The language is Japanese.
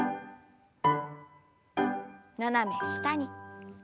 斜め下に。